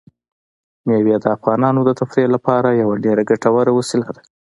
مېوې د افغانانو د تفریح لپاره یوه ډېره ګټوره وسیله ده.